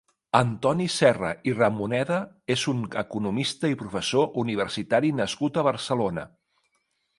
Antoni Serra i Ramoneda és un economista i professor universitari nascut a Barcelona.